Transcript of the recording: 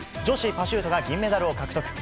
女子パシュートが銀メダルを獲得。